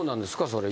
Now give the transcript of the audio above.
それ。